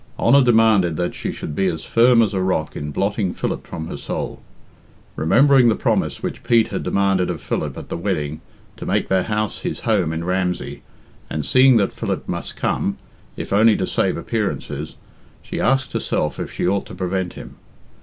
Honour demanded that she should be as firm as a rock in blotting Philip from her soul. Remembering the promise which Pete had demanded of Philip at the wedding to make their house his home in Ramsey, and seeing that Philip must come, if only to save appearances, she asked herself if she ought to prevent him.